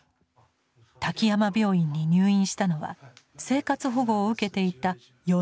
滝山病院に入院したのは生活保護を受けていた４年前。